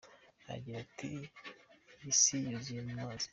Agira ati ”Iyi si yuzuyeho amazi.